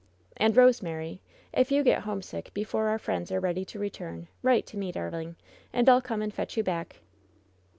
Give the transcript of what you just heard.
"And, Rosemary, if you get homesick before our friends are ready to return, write to me, darling, and I'll come and fetch you back."